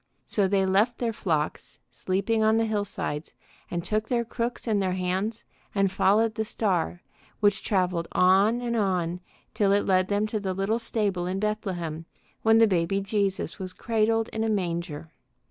So they left their flocks sleeping on the hillsides, and took their crooks in their hands and followed the star, which travelled on and on till it led them to the little stable in Bethlehem, when the Baby Jesus was cradled in a manger.